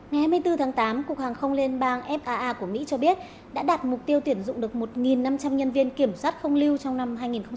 ngày hai mươi bốn tháng tám cục hàng không liên bang faa của mỹ cho biết đã đạt mục tiêu tuyển dụng được một năm trăm linh nhân viên kiểm soát không lưu trong năm hai nghìn hai mươi